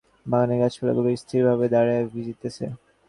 দিনটা আঁধার করিয়া রহিয়াছে, বাগানের গাছপালাগুলা স্থির ভাবে দাঁড়াইয়া ভিজিতেছে।